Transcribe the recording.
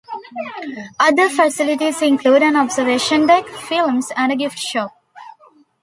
Other facilities include an observation deck, films and a gift shop.